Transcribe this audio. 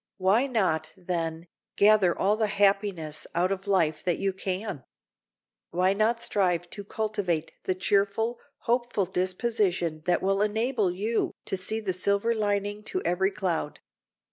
Why not, then, gather all the happiness out of life that you can? Why not strive to cultivate the cheerful, hopeful disposition that will enable you to see the silver lining to every cloud?